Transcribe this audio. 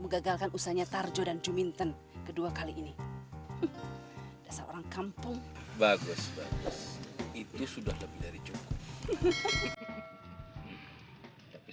mengagalkan usahanya tarjo dan juminten kedua kali ini dasar orang kampung bagus bagus itu